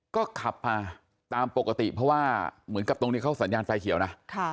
ก็ขับมาตามปกติเพราะว่าเหมือนกับตรงนี้เขาสัญญาณไฟเขียวนะ